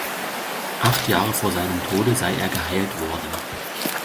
Acht Jahre vor seinem Tode sei er geheilt worden.